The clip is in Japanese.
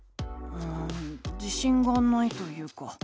うん自しんがないというか。